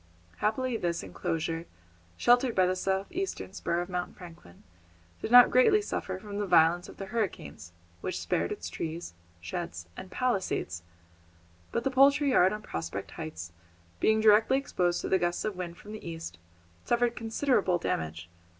Happily this enclosure, sheltered by the south eastern spur of Mount Franklin, did not greatly suffer from the violence of the hurricanes, which spared its trees, sheds, and palisades; but the poultry yard on Prospect Heights, being directly exposed to the gusts of wind from the east, suffered considerable damage.